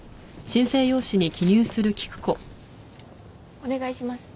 お願いします。